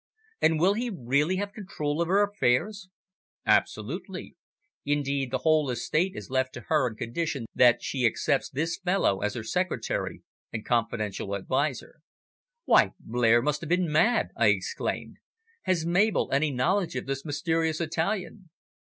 "And will he really have control of her affairs?" "Absolutely. Indeed, the whole estate is left to her on condition that she accepts this fellow as her secretary and confidential adviser." "Why, Blair must have been mad!" I exclaimed. "Has Mabel any knowledge of this mysterious Italian?"